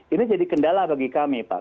ini jadi kendala bagi kami pak